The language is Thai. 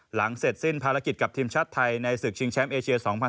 หลังเสร็จสิ้นภารกิจกับทีมชาติไทยในศึกชิงแชมป์เอเชีย๒๐๑